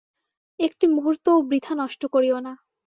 একটি মুহূর্তও বৃথা নষ্ট করিও না।